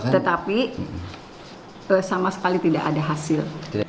tetapi sama sekali tidak ada hasil